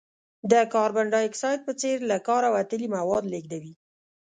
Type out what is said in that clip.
د کاربن ډای اکساید په څېر له کاره وتلي مواد لیږدوي.